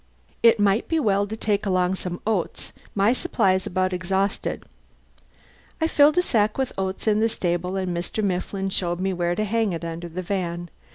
"It might be well to take along some oats. My supply's about exhausted." I filled a sack with oats in the stable and Mr. Mifflin showed me where to hang it under the van.